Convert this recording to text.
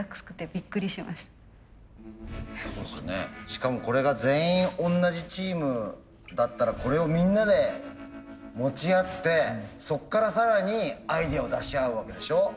しかもこれが全員同じチームだったらこれをみんなで持ち合ってそっから更にアイデアを出し合うわけでしょ。